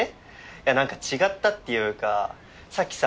いや何か違ったっていうかさっきさ